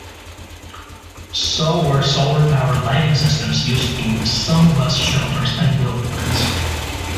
So were solar-powered lighting systems used in some bus shelters and billboards.